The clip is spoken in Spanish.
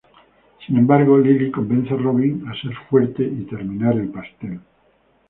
Sin embargo, Lily convence a Robin a ser fuerte y terminar el pastel.